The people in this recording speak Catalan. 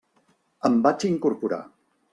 Em vaig incorporar.